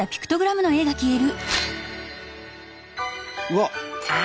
うわっ怖。